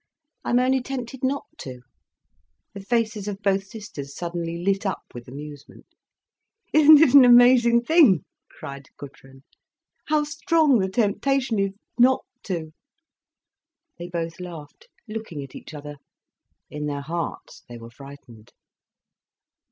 I'm only tempted not to." The faces of both sisters suddenly lit up with amusement. "Isn't it an amazing thing," cried Gudrun, "how strong the temptation is, not to!" They both laughed, looking at each other. In their hearts they were frightened.